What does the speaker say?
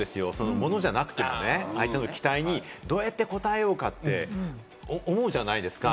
物じゃなくてもね、相手の期待にどうやって応えようかって思うじゃないですか。